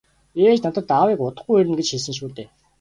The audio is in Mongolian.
- Ээж надад аавыг удахгүй ирнэ гэж хэлсэн шүү дээ.